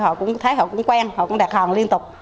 họ cũng thấy họ cũng quen họ cũng đặt hàng liên tục